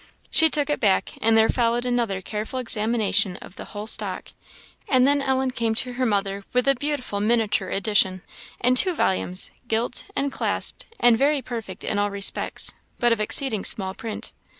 She took it back; and there followed another careful examination of the whole stock; and then Ellen came to her mother with a beautiful miniature edition, in two volumes, gilt, and clasped, and very perfect in all respects, but of exceeding small print.